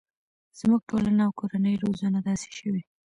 زموږ ټولنیزه او کورنۍ روزنه داسې شوي